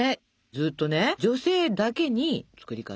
ずっとね女性だけに作り方を。